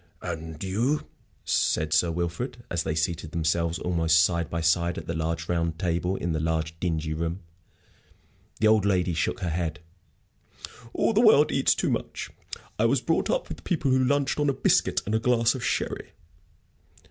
"And you?" said Sir Wilfrid, as they seated themselves almost side by side at the large, round table in the large, dingy room. The old lady shook her head. "All the world eats too much. I was brought up with people who lunched on a biscuit and a glass of sherry."